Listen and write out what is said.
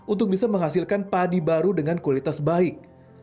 untuk bisa menghasilkan padi baru dengan kualitas baik